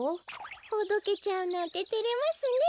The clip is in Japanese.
ほどけちゃうなんててれますね。